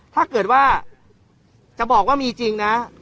ถ้าเกิดว่าจะบอกว่ามีจริงนะ